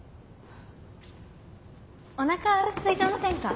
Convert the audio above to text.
おなかすいてませんか。